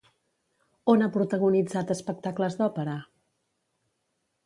On ha protagonitzat espectacles d'òpera?